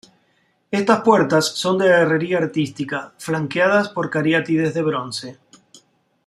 Estas puertas son de herrería artística, flanqueadas por cariátides de bronce.